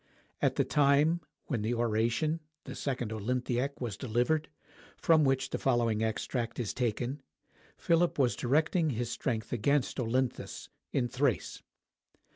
At the time when the oration (the "Second Olynthiac") was delivered, from which the following extract is taken, Philip was directing his strength against Olynthus, in Thrace.